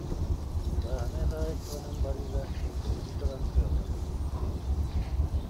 Бааһынай хаһаайыстыбанан барыыга кредит ылан кыаҕыран хаалбыта